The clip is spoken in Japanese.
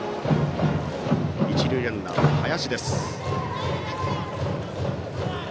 一塁ランナーは林です。